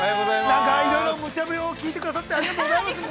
◆なんかいろいろむちゃ振り聞いてくださってありがとうございました。